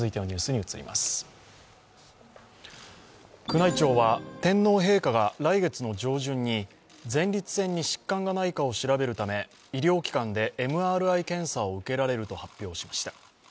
宮内庁は天皇陛下が来月の上旬に前立腺に疾患がないかを調べるため医療機関でＭＲＩ検査を受けられると発表しました。